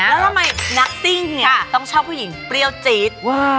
แล้วทำไมนักซิ่งเนี่ยต้องชอบผู้หญิงเปรี้ยวจี๊ด